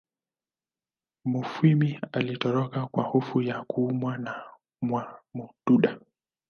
Mufwimi alitoroka kwa hofu ya kuuawa na Mwamududa